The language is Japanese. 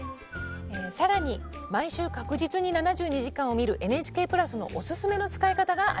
更に毎週確実に「７２時間」を見るＮＨＫプラスのオススメの使い方があります。